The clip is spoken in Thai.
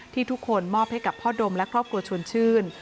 ที่ทุกคนมอบให้กับพ่อดมและครอบครัวชวนชื่น